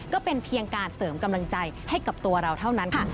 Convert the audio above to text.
ก็เป็นเพียงการเสริมกำลังใจให้กับตัวเราเท่านั้นค่ะ